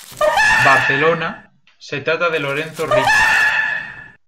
Barcelona, se trata de Lorenzo Rico.